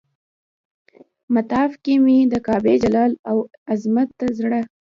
مطاف کې مې د کعبې جلال او عظمت ته زړه.